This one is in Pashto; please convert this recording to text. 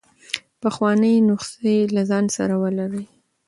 پخوانۍ نسخې له ځان سره ولرئ.